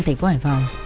thành phố hải phòng